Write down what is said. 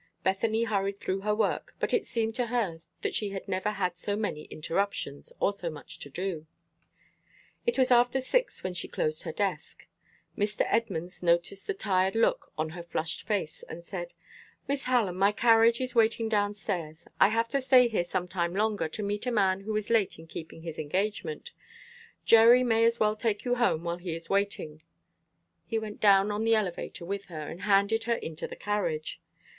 Bethany hurried through her work, but it seemed to her she had never had so many interruptions, or so much to do. It was after six when she closed her desk. Mr. Edmunds noticed the tired look on her flushed face, and said: "Miss Hallam, my carriage is waiting down stairs. I have to stay here some time longer to meet a man who is late in keeping his engagement. Jerry may as well take you home while he is waiting." He went down on the elevator with her, and handed her into the carriage.